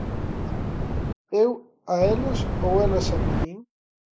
Eu a elas ou elas a min?